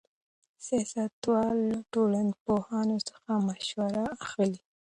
سیاستوال له ټولنپوهانو څخه مشوره اخلي.